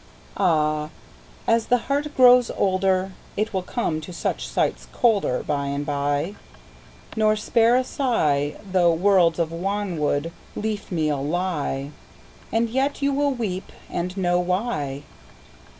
Áh! ás the heart grows olderIt will come to such sights colderBy and by, nor spare a sighThough worlds of wanwood leafmeal lie; And yet you wíll weep and know why.